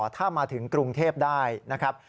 ถ้ามาถึงกรุงเทพได้นะครับ